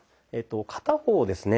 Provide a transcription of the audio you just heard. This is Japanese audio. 片方をですね